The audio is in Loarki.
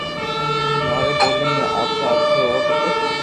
ماري ٻولي ۾ آپرا اکر ھووا کپي